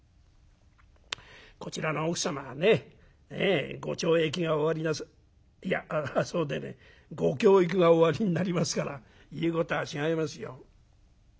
「こちらの奥様はねごちょうえきがおありいやそうでねえご教育がおありになりますから言うことは違いますよ」。